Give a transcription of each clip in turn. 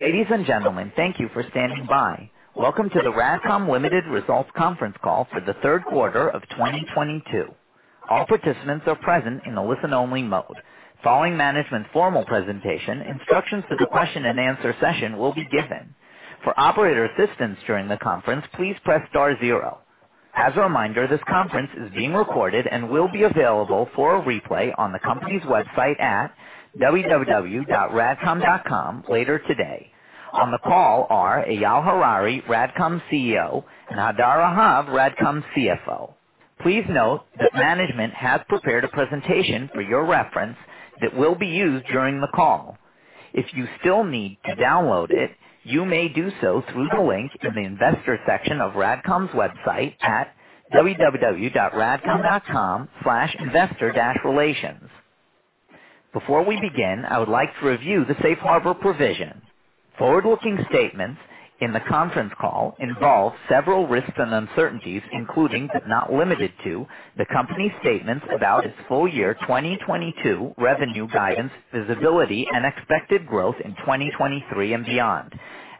Ladies and gentlemen, thank you for standing by. Welcome to the RADCOM Ltd. Results Conference Call for the third quarter of 2022. All participants are present in the listen-only mode. Following management's formal presentation, instructions for the question and answer session will be given. For operator assistance during the conference, please press star zero. As a reminder, this conference is being recorded and will be available for a replay on the company's website at www.radcom.com later today. On the call are Eyal Harari, RADCOM's CEO, and Hadar Rahav, RADCOM's CFO. Please note that management has prepared a presentation for your reference that will be used during the call. If you still need to download it, you may do so through the link in the investor section of RADCOM's website at www.radcom.com/investor-relations. Before we begin, I would like to review the Safe Harbor provision. Forward-looking statements in the conference call involve several risks and uncertainties, including but not limited to, the company's statements about its full year 2022 revenue guidance, visibility and expected growth in 2023 and beyond,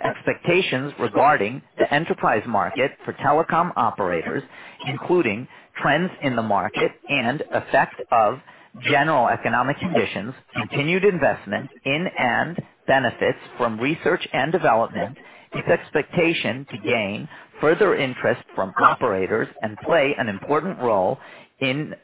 expectations regarding the enterprise market for telecom operators, including trends in the market and effect of general economic conditions, continued investment in and benefits from research and development, its expectation to gain further interest from operators and play an important role in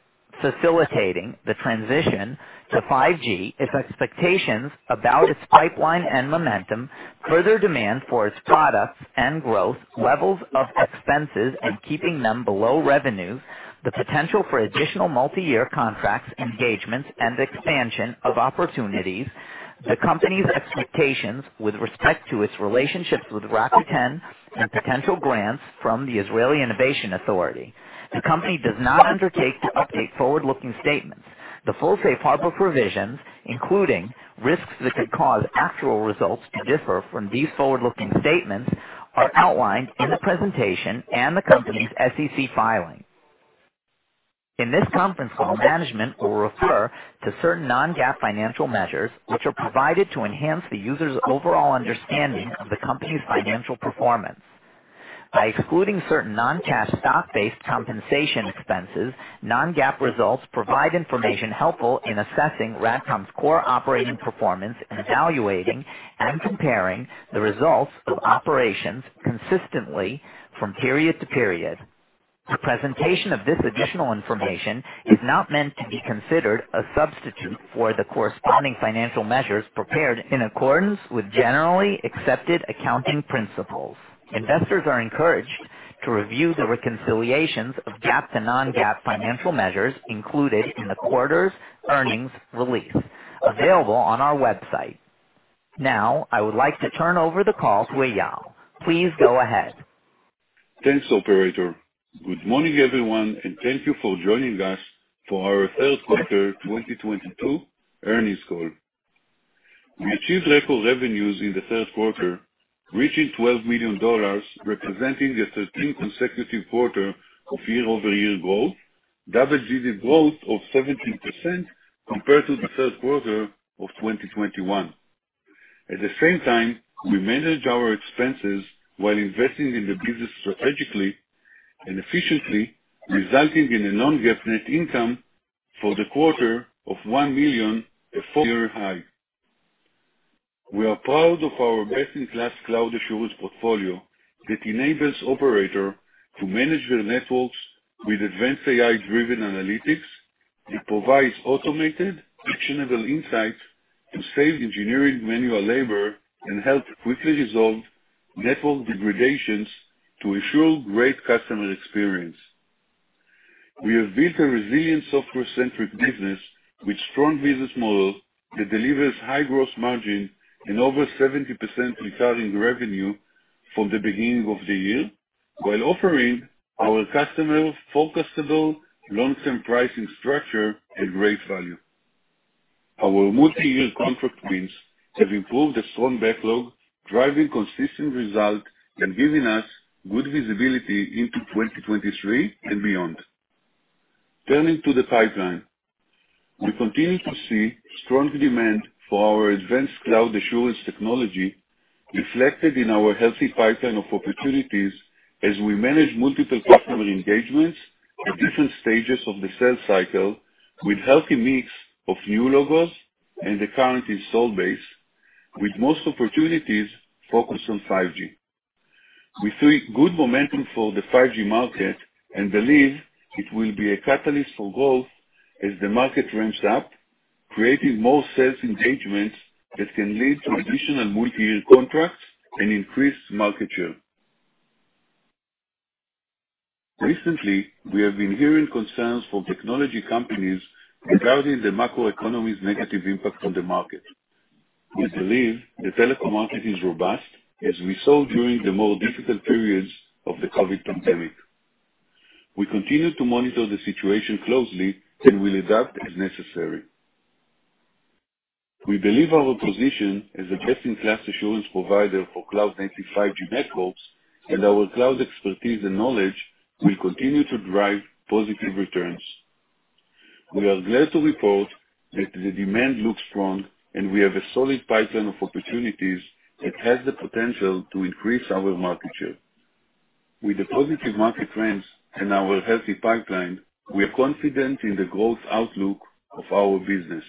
facilitating the transition to 5G, its expectations about its pipeline and momentum, further demand for its products and growth, levels of expenses and keeping them below revenue, the potential for additional multi-year contracts, engagements and expansion of opportunities, the company's expectations with respect to its relationships with Rakuten, and potential grants from the Israel Innovation Authority. The company does not undertake to update forward-looking statements. The full Safe Harbor provisions, including risks that could cause actual results to differ from these forward-looking statements, are outlined in the presentation and the company's SEC filing. In this conference call, management will refer to certain non-GAAP financial measures, which are provided to enhance the user's overall understanding of the company's financial performance. By excluding certain non-cash stock-based compensation expenses, non-GAAP results provide information helpful in assessing RADCOM's core operating performance and evaluating and comparing the results of operations consistently from period to period. The presentation of this additional information is not meant to be considered a substitute for the corresponding financial measures prepared in accordance with generally accepted accounting principles. Investors are encouraged to review the reconciliations of GAAP to non-GAAP financial measures included in the quarter's earnings release available on our website. Now, I would like to turn over the call to Eyal. Please go ahead. Thanks, operator. Good morning, everyone, and thank you for joining us for our third quarter 2022 earnings call. We achieved record revenues in the third quarter, reaching $12 million, representing the 13th consecutive quarter of year-over-year growth, double-digit growth of 17% compared to the third quarter of 2021. At the same time, we managed our expenses while investing in the business strategically and efficiently, resulting in a non-GAAP net income for the quarter of $1 million, a four-year high. We are proud of our best-in-class cloud assurance portfolio that enables operator to manage their networks with advanced AI-driven analytics. It provides automated, actionable insights to save engineering manual labor and help quickly resolve network degradations to ensure great customer experience. We have built a resilient software-centric business with strong business model that delivers high gross margin and over 70% recurring revenue from the beginning of the year, while offering our customers forecastable long-term pricing structure at great value. Our multi-year contract wins have improved a strong backlog, driving consistent result and giving us good visibility into 2023 and beyond. Turning to the pipeline. We continue to see strong demand for our advanced cloud assurance technology reflected in our healthy pipeline of opportunities as we manage multiple customer engagements at different stages of the sales cycle with healthy mix of new logos and the current install base, with most opportunities focused on 5G. We see good momentum for the 5G market and believe it will be a catalyst for growth as the market ramps up, creating more sales engagements that can lead to additional multi-year contracts and increased market share. Recently, we have been hearing concerns from technology companies regarding the macroeconomy's negative impact on the market. We believe the telecom market is robust, as we saw during the more difficult periods of the COVID pandemic. We continue to monitor the situation closely and will adapt as necessary. We believe our position as a best-in-class assurance provider for cloud-native 5G networks and our cloud expertise and knowledge will continue to drive positive returns. We are glad to report that the demand looks strong, and we have a solid pipeline of opportunities that has the potential to increase our market share. With the positive market trends and our healthy pipeline, we are confident in the growth outlook of our business.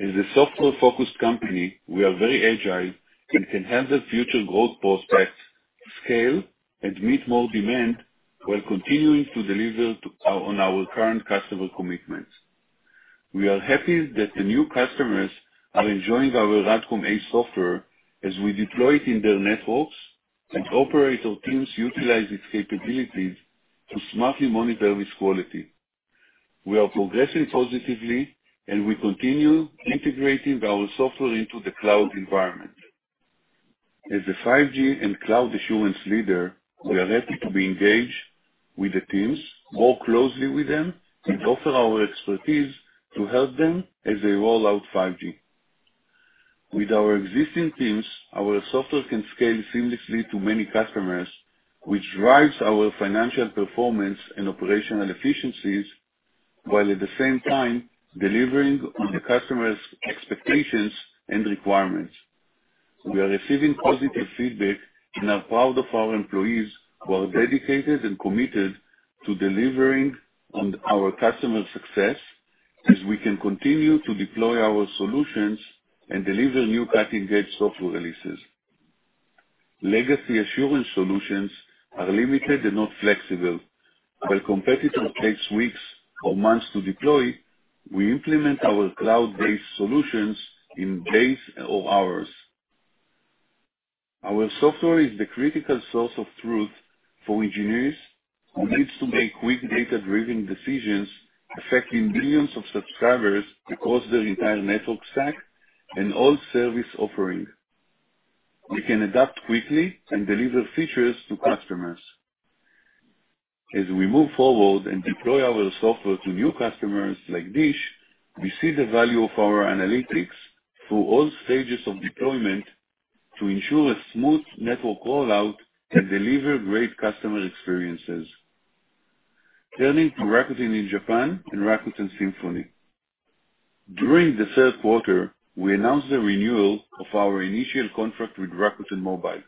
As a software-focused company, we are very agile and can handle future growth prospects, scale, and meet more demand while continuing to deliver on our current customer commitments. We are happy that the new customers are enjoying our RADCOM ACE software as we deploy it in their networks, and operator teams utilize its capabilities to smartly monitor its quality. We are progressing positively, and we continue integrating our software into the cloud environment. As a 5G and cloud assurance leader, we are ready to be engaged with the teams, work closely with them, and offer our expertise to help them as they roll out 5G. With our existing teams, our software can scale seamlessly to many customers, which drives our financial performance and operational efficiencies, while at the same time, delivering on the customers' expectations and requirements. We are receiving positive feedback and are proud of our employees who are dedicated and committed to delivering on our customers' success as we can continue to deploy our solutions and deliver new cutting-edge software releases. Legacy assurance solutions are limited and not flexible. While competitors take weeks or months to deploy, we implement our cloud-based solutions in days or hours. Our software is the critical source of truth for engineers who need to make quick data-driven decisions affecting millions of subscribers across their entire network stack and all service offerings. We can adapt quickly and deliver features to customers. As we move forward and deploy our software to new customers like DISH, we see the value of our analytics through all stages of deployment to ensure a smooth network rollout and deliver great customer experiences. Turning to Rakuten in Japan and Rakuten Symphony. During the third quarter, we announced the renewal of our initial contract with Rakuten Mobile.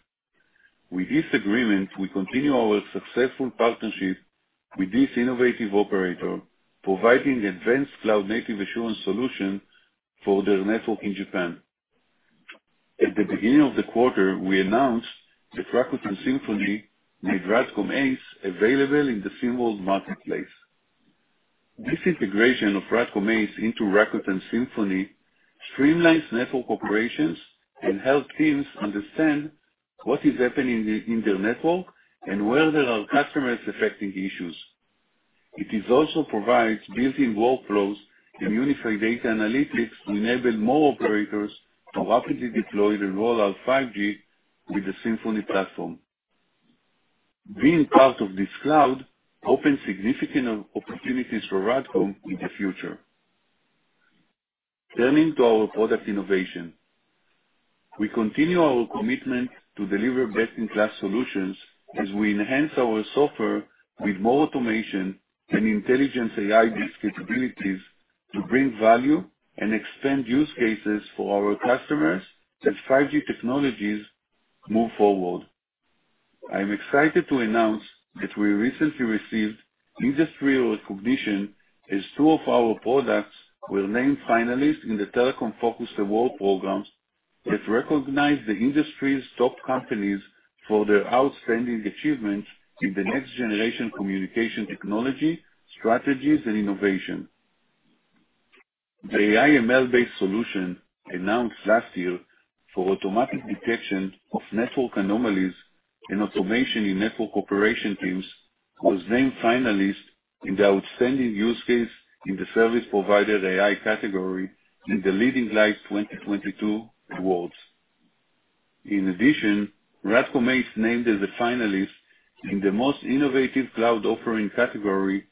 With this agreement, we continue our successful partnership with this innovative operator, providing advanced cloud-native assurance solution for their network in Japan. At the beginning of the quarter, we announced that Rakuten Symphony made RADCOM ACE available in the Symworld marketplace. This integration of RADCOM ACE into Rakuten Symphony streamlines network operations and helps teams understand what is happening in their network and where there are customer-affecting issues. It also provides built-in workflows and unified data analytics to enable more operators to rapidly deploy and roll out 5G with the Symphony platform. Being part of this cloud opens significant opportunities for RADCOM in the future. Turning to our product innovation. We continue our commitment to deliver best-in-class solutions as we enhance our software with more automation and intelligent AI-based capabilities to bring value and extend use cases for our customers as 5G technologies move forward. I am excited to announce that we recently received industry recognition as two of our products were named finalists in the telecom-focused award programs that recognize the industry's top companies for their outstanding achievements in the next generation communication technology, strategies and innovation. The AI/ML-based solution announced last year for automatic detection of network anomalies and automation in network operation teams was named finalist in the outstanding use case in the service provider AI category in the Leading Lights 2022 awards. In addition, RADCOM ACE named as a finalist in the most innovative cloud offering category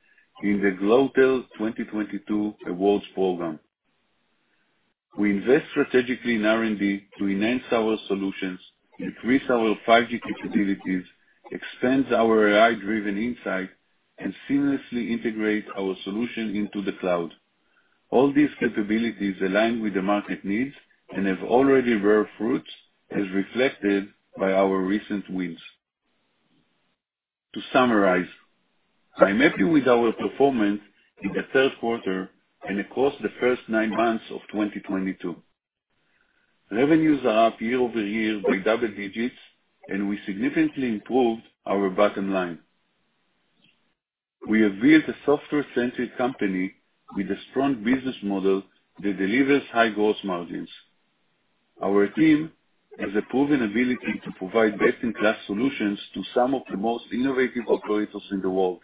in the Glotel 2022 awards program. We invest strategically in R&D to enhance our solutions, increase our 5G capabilities, expand our AI-driven insight, and seamlessly integrate our solution into the cloud. All these capabilities align with the market needs and have already borne fruits as reflected by our recent wins. To summarize, I'm happy with our performance in the third quarter and across the first nine months of 2022. Revenues are up year-over-year by double digits, and we significantly improved our bottom line. We have built a software-centric company with a strong business model that delivers high gross margins. Our team has a proven ability to provide best-in-class solutions to some of the most innovative operators in the world.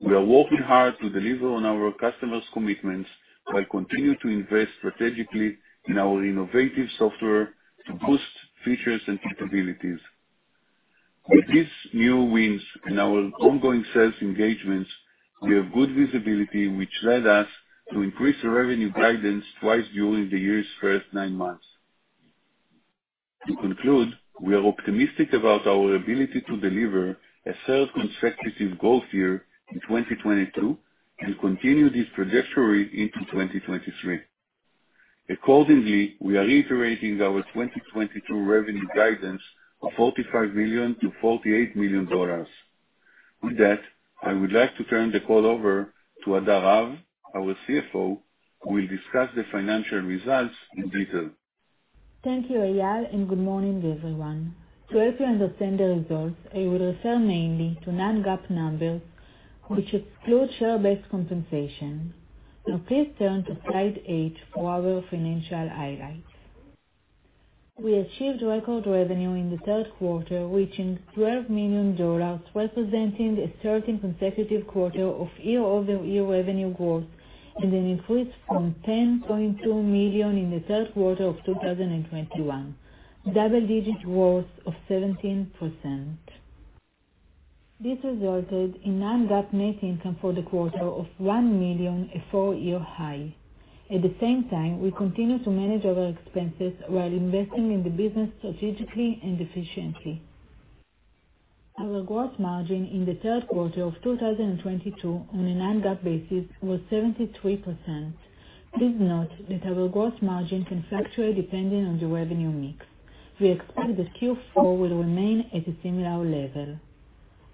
We are working hard to deliver on our customers' commitments while continuing to invest strategically in our innovative software to boost features and capabilities. With these new wins and our ongoing sales engagements, we have good visibility, which led us to increase the revenue guidance twice during the year's first nine months. To conclude, we are optimistic about our ability to deliver a third consecutive growth year in 2022 and continue this trajectory into 2023. Accordingly, we are reiterating our 2022 revenue guidance of $45 million-$48 million. With that, I would like to turn the call over to Hadar Rahav, our CFO, who will discuss the financial results in detail. Thank you, Eyal, and good morning to everyone. To help you understand the results, I will refer mainly to non-GAAP numbers which exclude share-based compensation. Now please turn to slide 8 for our financial highlights. We achieved record revenue in the third quarter, reaching $12 million, representing a 13 consecutive quarter of year-over-year revenue growth and an increase from $10.2 million in the third quarter of 2021, double-digit growth of 17%. This resulted in non-GAAP net income for the quarter of $1 million, a four-year high. At the same time, we continue to manage our expenses while investing in the business strategically and efficiently. Our gross margin in the third quarter of 2022 on a non-GAAP basis was 73%. Please note that our gross margin can fluctuate depending on the revenue mix. We expect that Q4 will remain at a similar level.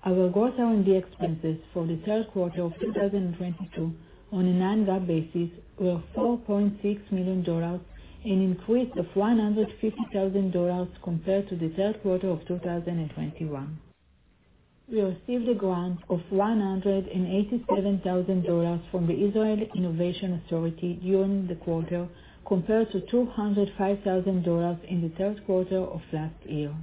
Our gross R&D expenses for the third quarter of 2022 on a non-GAAP basis were $4.6 million, an increase of $150 thousand compared to the third quarter of 2021. We received a grant of $187 thousand from the Israel Innovation Authority during the quarter, compared to $205 thousand in the third quarter of last year.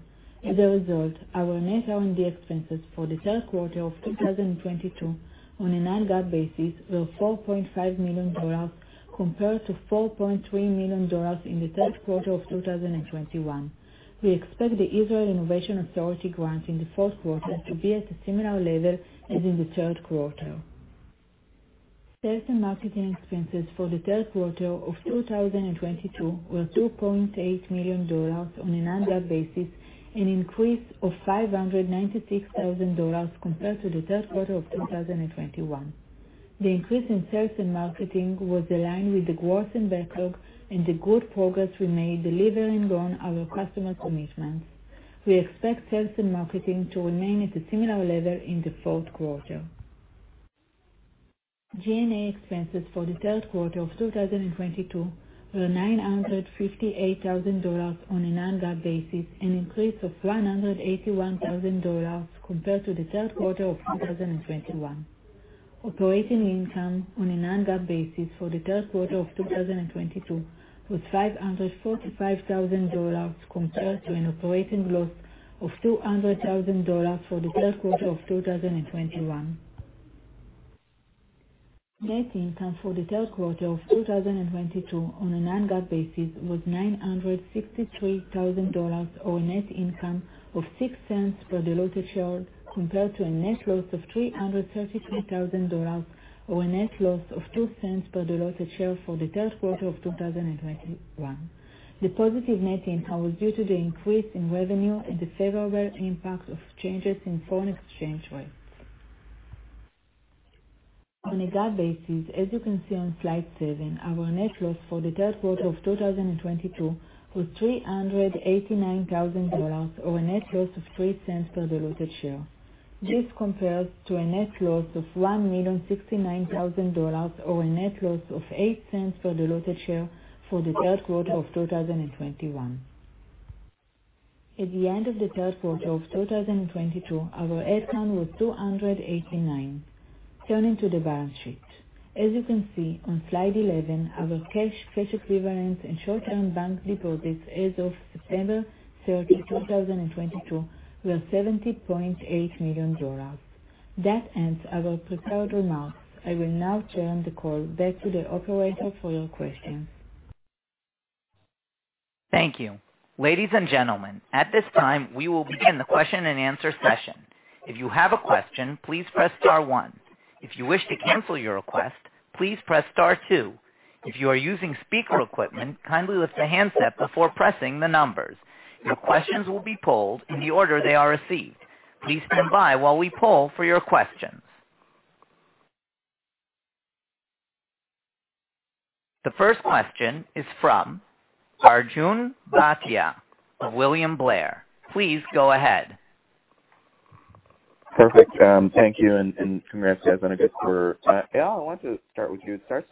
As a result, our net R&D expenses for the third quarter of 2022 on a non-GAAP basis were $4.5 million, compared to $4.3 million in the third quarter of 2021. We expect the Israel Innovation Authority grant in the fourth quarter to be at a similar level as in the third quarter. Sales and marketing expenses for the third quarter of 2022 were $2.8 million on a non-GAAP basis, an increase of $596,000 compared to the third quarter of 2021. The increase in sales and marketing was aligned with the growth in backlog and the good progress we made delivering on our customer commitments. We expect sales and marketing to remain at a similar level in the fourth quarter. G&A expenses for the third quarter of 2022 were $958,000 on a non-GAAP basis, an increase of $181,000 compared to the third quarter of 2021. Operating income on a non-GAAP basis for the third quarter of 2022 was $545,000 compared to an operating loss of $200,000 for the third quarter of 2021. Net income for the third quarter of 2022 on a non-GAAP basis was $963,000, or a net income of $0.06 per diluted share, compared to a net loss of $333,000 or a net loss of $0.02 per diluted share for the third quarter of 2021. The positive net income was due to the increase in revenue and the favorable impact of changes in foreign exchange rates. On a GAAP basis, as you can see on slide 7, our net loss for the third quarter of 2022 was $389 thousand, or a net loss of $0.03 per diluted share. This compares to a net loss of $1.069 million or a net loss of $0.08 per diluted share for the third quarter of 2021. At the end of the third quarter of 2022, our head count was 289. Turning to the balance sheet. As you can see on slide 11, our cash equivalents, and short-term bank deposits as of September 30, 2022 were $70.8 million. That ends our prepared remarks. I will now turn the call back to the operator for your questions. Thank you. Ladies and gentlemen, at this time, we will begin the question-and-answer session. If you have a question, please press star one. If you wish to cancel your request, please press star two. If you are using speaker equipment, kindly lift the handset before pressing the numbers. Your questions will be polled in the order they are received. Please stand by while we poll for your questions. The first question is from Arjun Bhatia of William Blair. Please go ahead. Perfect. Thank you, and congrats to Eyal and the execs. Eyal, I wanted to start with you. It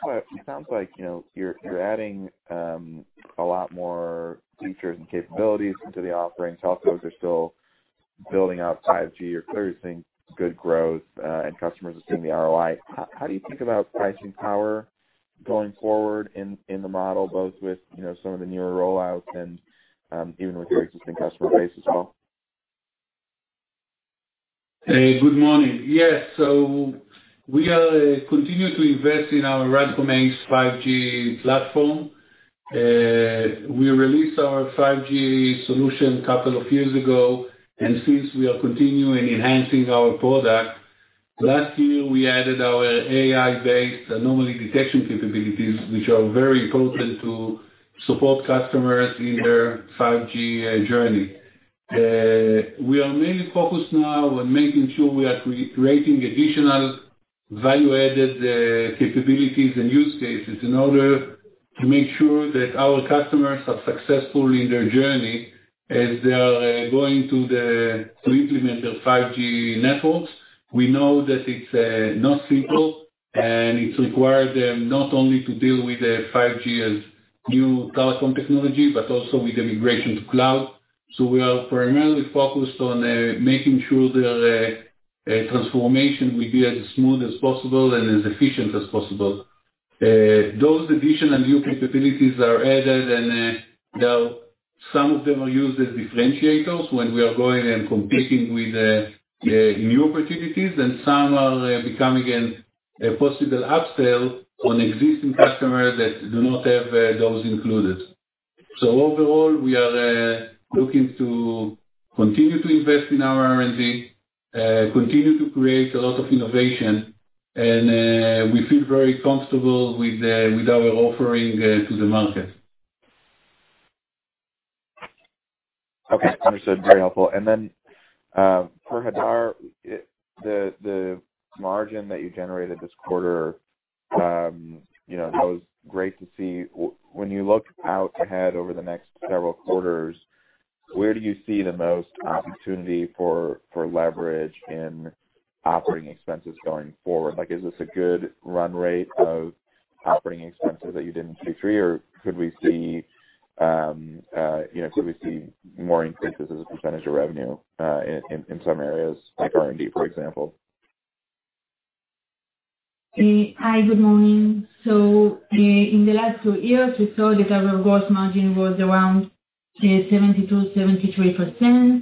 sounds like, you know, you're adding a lot more features and capabilities into the offering. Telcos are still building out 5G. You're clearly seeing good growth, and customers are seeing the ROI. How do you think about pricing power going forward in the model, both with, you know, some of the newer rollouts and even with your existing customer base as well? Hey, good morning. Yes. We are continuing to invest in our RADCOM ACE 5G platform. We released our 5G solution a couple of years ago, and since we are continuing enhancing our product. Last year, we added our AI-based anomaly detection capabilities, which are very important to support customers in their 5G journey. We are mainly focused now on making sure we are creating additional value-added capabilities and use cases in order to make sure that our customers are successful in their journey as they are going to implement their 5G networks. We know that it's not simple, and it requires them not only to deal with their 5G as new telecom technology, but also with the migration to cloud. We are primarily focused on making sure their transformation will be as smooth as possible and as efficient as possible. Those additional new capabilities are added, and some of them are used as differentiators when we are going and competing with new opportunities, and some are becoming a possible upsell on existing customers that do not have those included. Overall, we are looking to continue to invest in our R&D, continue to create a lot of innovation, and we feel very comfortable with our offering to the market. Okay. Understood. Very helpful. For Hadar, the margin that you generated this quarter, you know, that was great to see. When you look out ahead over the next several quarters, where do you see the most opportunity for leverage in operating expenses going forward? Like, is this a good run rate of operating expenses that you did in Q3, or could we see more increases as a percentage of revenue in some areas like R&D, for example? Hi, good morning. In the last two years, we saw that our gross margin was around 72%-73%.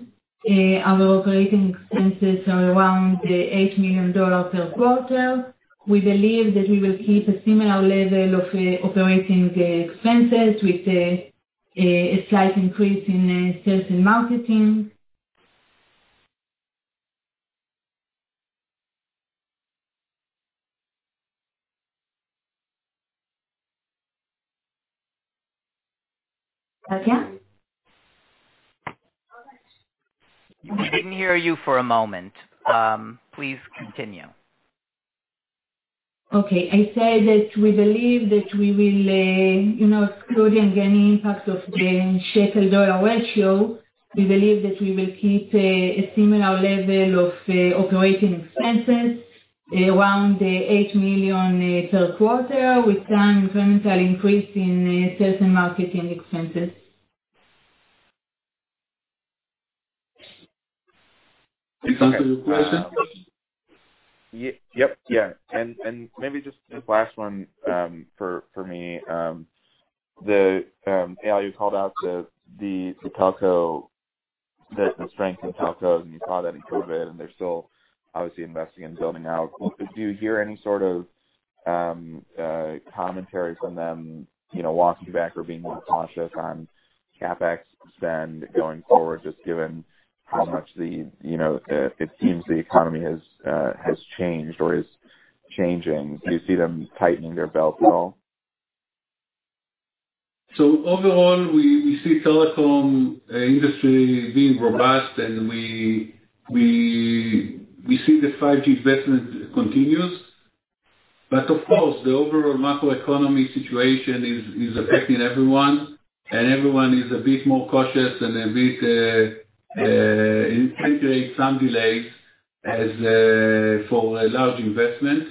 Our operating expenses are around $8 million per quarter. We believe that we will keep a similar level of operating expenses with a slight increase in sales and marketing. Katya? We didn't hear you for a moment. Please continue. Okay. I said that we believe that we will, you know, excluding any impact of the shekel dollar ratio, we believe that we will keep a similar level of operating expenses around $8 million per quarter, with some incremental increase in sales and marketing expenses. Does that answer your question? Yep. Yeah. Maybe just this last one for me. Eyal, you called out the telco, the strength in telco, and you saw that in COVID, and they're still obviously investing and building out. Do you hear any sort of commentary from them, you know, walking back or being more cautious on CapEx spend going forward, just given how much, you know, it seems the economy has changed or is changing? Do you see them tightening their belts at all? Overall, we see telecom industry being robust, and we see the 5G investment continues. Of course, the overall macro economy situation is affecting everyone, and everyone is a bit more cautious and a bit integrating some delays as for a large investment.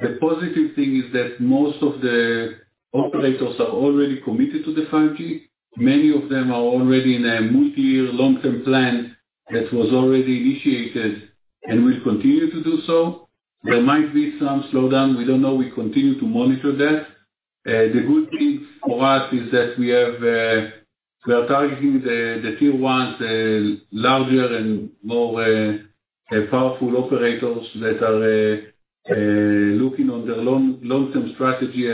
The positive thing is that most of the operators are already committed to the 5G. Many of them are already in a multi-year long-term plan that was already initiated and will continue to do so. There might be some slowdown. We don't know. We continue to monitor that. The good thing for us is that we are targeting the tier ones, larger and more powerful operators that are looking on their long-term strategy.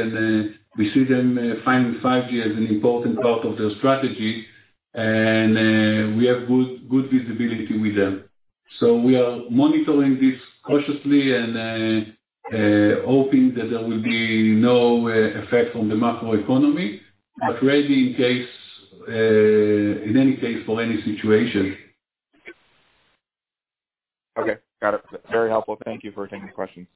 We see them finding 5G as an important part of their strategy. We have good visibility with them. We are monitoring this cautiously and hoping that there will be no effect on the macro economy, but ready in case, in any case for any situation. Okay. Got it. Very helpful. Thank you for taking the questions.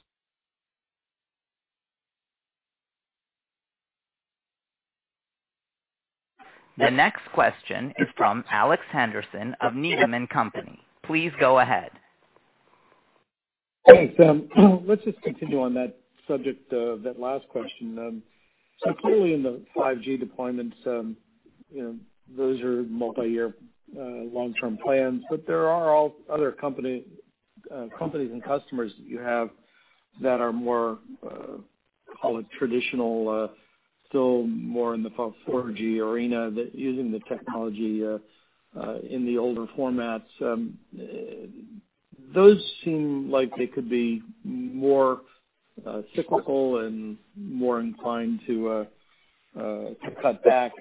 The next question is from Alex Henderson of Needham & Company. Please go ahead. Thanks. Let's just continue on that subject, that last question. Clearly in the 5G deployments, you know, those are multi-year, long-term plans, but there are all other companies and customers that you have that are more, call it traditional, still more in the 4G arena that using the technology, in the older formats. Those seem like they could be more, cyclical and more inclined to cut back.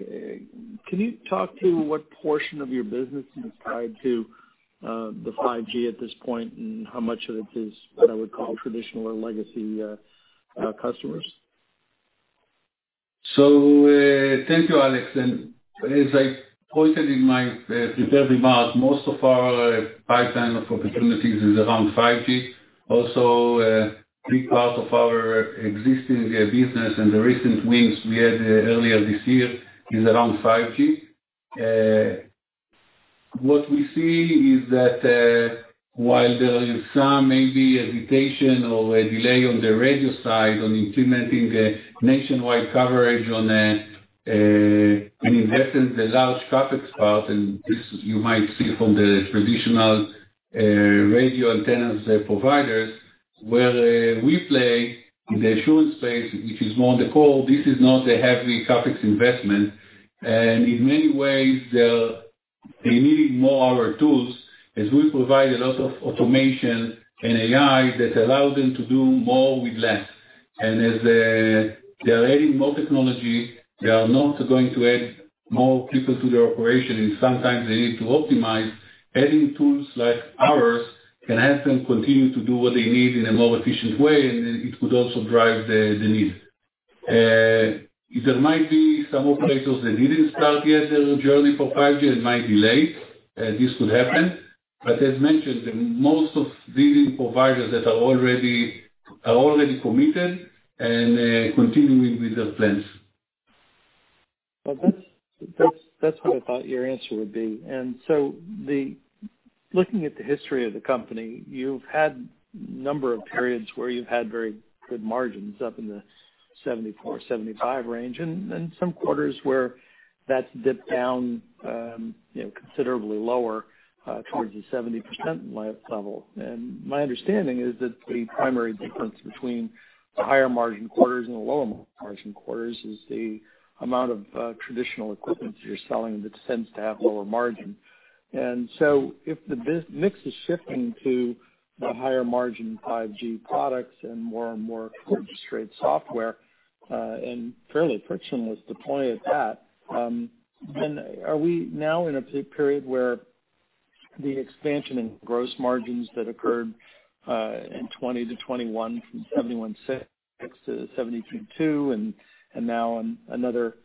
Can you talk to what portion of your business is tied to the 5G at this point, and how much of it is what I would call traditional or legacy customers? Thank you, Alex. As I pointed in my prepared remarks, most of our pipeline of opportunities is around 5G. Also, big part of our existing business and the recent wins we had earlier this year is around 5G. What we see is that while there is some maybe hesitation or a delay on the radio side on implementing the nationwide coverage on an investment, the large CapEx part, and this you might see from the traditional radio antennas providers, where we play in the assurance space, which is more on the core, this is not a heavy CapEx investment. In many ways they are needing more of our tools as we provide a lot of automation and AI that allow them to do more with less. As they're adding more technology, they are not going to add more people to their operation, and sometimes they need to optimize. Adding tools like ours can help them continue to do what they need in a more efficient way, and then it could also drive the need. There might be some operators that didn't start yet their journey for 5G and might be late, this could happen. As mentioned, most of leading providers that are already committed and continuing with their plans. Well, that's what I thought your answer would be. Looking at the history of the company, you've had number of periods where you've had very good margins up in the 74-75 range, and some quarters where that's dipped down, you know, considerably lower, towards the 70% level. My understanding is that the primary difference between the higher margin quarters and the lower margin quarters is the amount of traditional equipment you're selling that tends to have lower margin. If the product mix is shifting to the higher margin 5G products and more and more straight software, and fairly frictionless deployment at that, then are we now in a period where the expansion in gross margins that occurred in 2020 to 2021 from 71.6% to 72.2%, and now on another,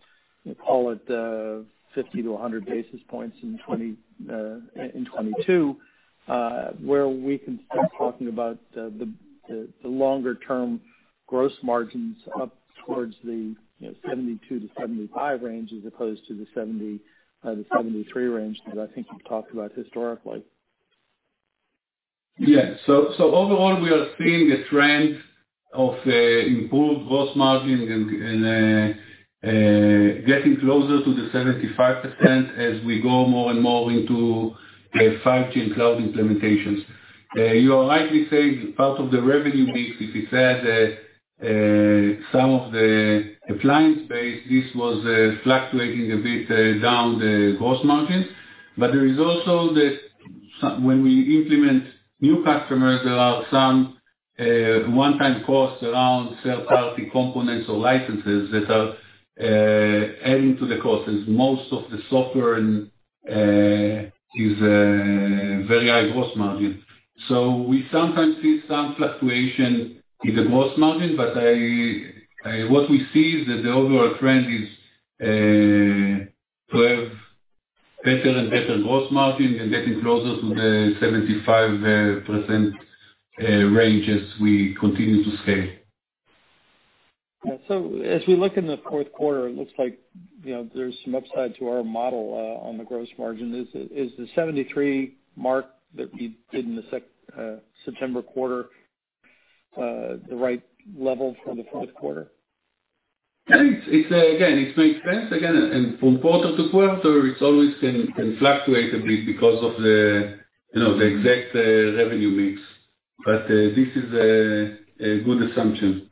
we'll call it, 50-100 basis points in 2022, where we can start talking about the longer term gross margins up towards the, you know, 72%-75% range as opposed to the 73% range that I think you've talked about historically. Yes. Overall, we are seeing a trend of improved gross margin and getting closer to the 75% as we go more and more into 5G and cloud implementations. You are rightly saying part of the revenue mix, some of the client base this was fluctuating a bit down the gross margin. There is also... When we implement new customers, there are some one-time costs around third-party components or licenses that are adding to the costs, as most of the software and is very high gross margin. We sometimes see some fluctuation in the gross margin. I... What we see is that the overall trend is to have better and better gross margin and getting closer to the 75% range as we continue to scale. As we look in the fourth quarter, it looks like, you know, there's some upside to our model on the gross margin. Is the 73% mark that we did in the September quarter the right level for the fourth quarter? It's again, it makes sense. Again from quarter to quarter, it's always can fluctuate a bit because of the, you know, the exact revenue mix. This is a good assumption.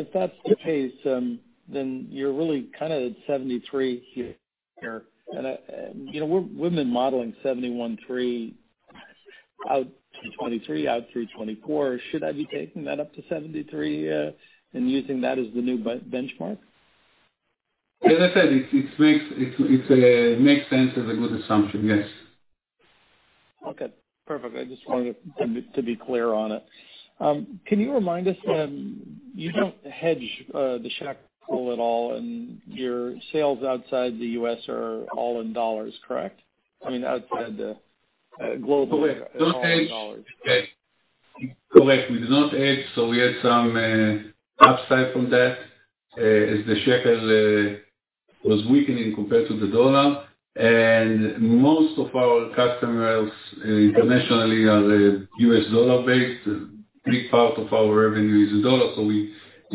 Yeah. If that's the case, then you're really kinda at 73 here. I, you know, we've been modeling 71.3 out to 2023, out through 2024. Should I be taking that up to 73, and using that as the new benchmark? As I said, it makes sense as a good assumption. Yes. Okay, perfect. I just wanted to be clear on it. Can you remind us, you don't hedge the shekel at all and your sales outside the U.S. are all in dollars, correct? I mean, outside the globally- Correct. are all in dollars. Don't hedge. Yes. Correct. We do not hedge, so we had some upside from that, as the shekel was weakening compared to the dollar. Most of our customers internationally are U.S. dollar based. Big part of our revenue is the dollar, so we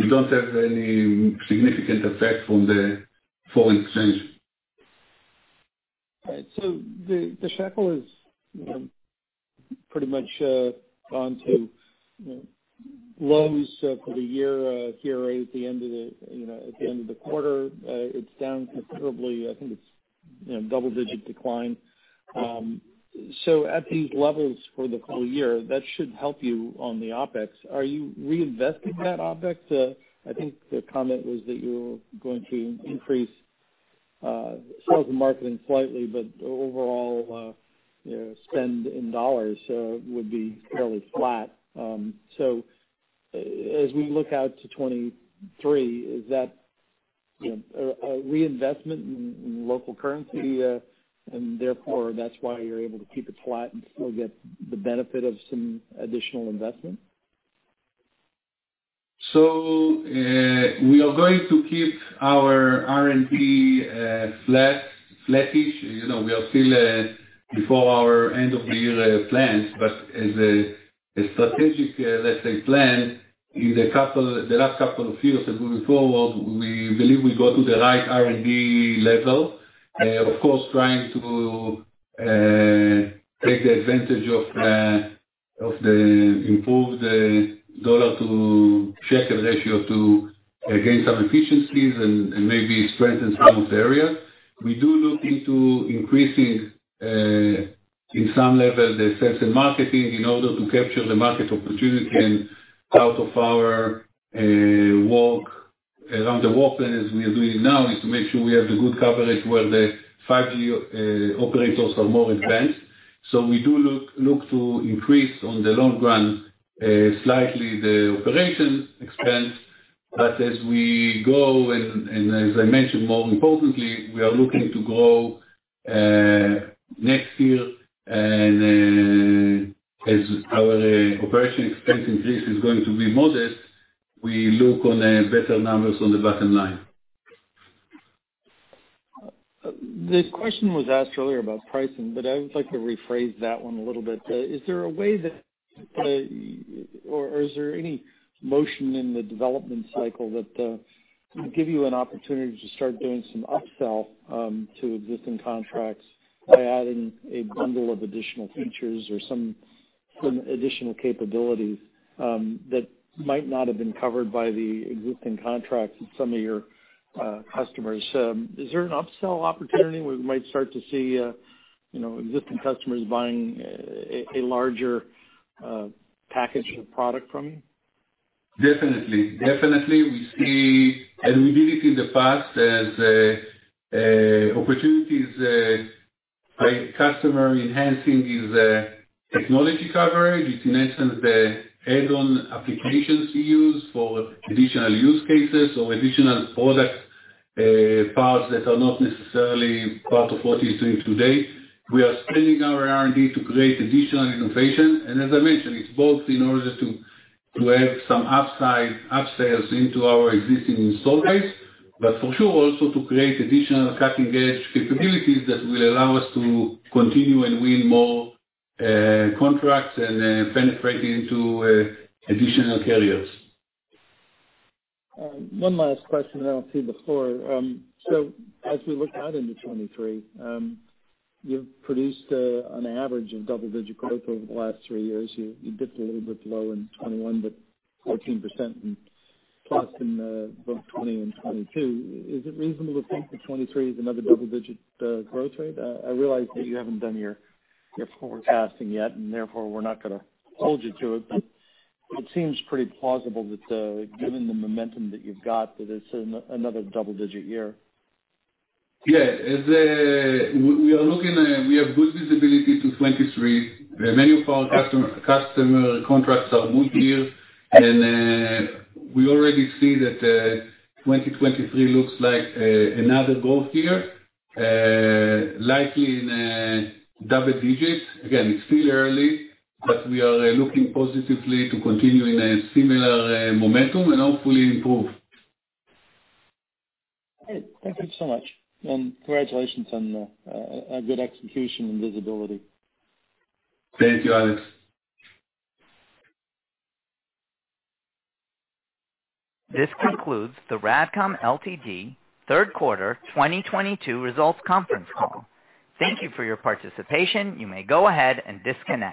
don't have any significant effect from the foreign exchange. All right. The shekel is pretty much gone to, you know, lows for the year here right at the end of the quarter. It's down considerably. I think it's, you know, double-digit decline. At these levels for the full year, that should help you on the OpEx. Are you reinvesting that OpEx? I think the comment was that you're going to increase sales and marketing slightly, but overall, you know, spend in dollars would be fairly flat. As we look out to 2023, is that, you know, a reinvestment in local currency, and therefore that's why you're able to keep it flat and still get the benefit of some additional investment? We are going to keep our R&D flat, flattish. You know, we are still before our end-of-year plans, but as a strategic, let's say, plan, in the last couple of years and moving forward, we believe we got to the right R&D level. Of course, trying to take advantage of the improved dollar-to-shekel ratio to gain some efficiencies and maybe strengthen some of the areas. We do look into increasing in some level the sales and marketing in order to capture the market opportunity and out of our work. Around the work that as we are doing now is to make sure we have the good coverage where the 5G operators are more advanced. We do look to increase in the long run slightly the operating expense. As we go, and as I mentioned, more importantly, we are looking to grow next year, and as our operating expense increase is going to be modest, we look to better numbers on the bottom line. The question was asked earlier about pricing, but I would like to rephrase that one a little bit. Is there a way that or is there any motion in the development cycle that would give you an opportunity to start doing some upsell to existing contracts by adding a bundle of additional features or some additional capabilities that might not have been covered by the existing contracts with some of your customers? Is there an upsell opportunity we might start to see you know existing customers buying a larger package or product from you? Definitely. We see, and we did it in the past, as opportunities by customer enhancing his technology coverage. It mentions the add-on applications we use for additional use cases or additional product parts that are not necessarily part of what he's doing today. We are spending our R&D to create additional innovation. As I mentioned, it's both in order to add some upside, upsales into our existing install base, but for sure, also to create additional cutting-edge capabilities that will allow us to continue and win more contracts and penetrate into additional carriers. One last question, and then I'll cede the floor. As we look out into 2023, you've produced an average of double-digit growth over the last three years. You dipped a little bit low in 2021, but 14% and plus in both 2020 and 2022. Is it reasonable to think that 2023 is another double-digit growth rate? I realize that you haven't done your forecasting yet, and therefore we're not gonna hold you to it, but it seems pretty plausible that, given the momentum that you've got, that it's another double-digit year. Yeah. As we are looking, we have good visibility to 2023. Many of our customer contracts are multi-year. We already see that 2023 looks like another growth year, likely in double digits. Again, it's still early, but we are looking positively to continue in a similar momentum and hopefully improve. Great. Thank you so much. Congratulations on a good execution and visibility. Thank you, Alex. This concludes the RADCOM Ltd. third quarter 2022 results conference call. Thank you for your participation. You may go ahead and disconnect.